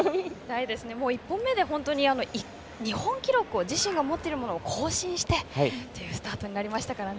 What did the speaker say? １本目で日本記録自身が持っているものを更新してというスタートになりましたからね。